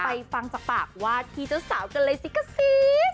ไปฟังจากปากว่าที่เจ้าสาวกันเลยซิกสิ